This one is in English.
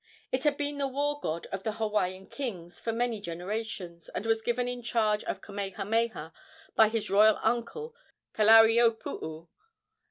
It had been the war god of the Hawaiian kings for many generations, and was given in charge of Kamehameha by his royal uncle, Kalauiopuu.